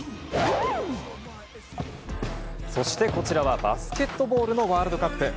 そしてこちらはバスケットボールのワールドカップ。